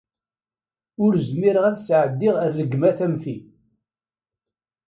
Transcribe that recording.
Ur zmireɣ ad sɛeddiɣ rregmat am ti.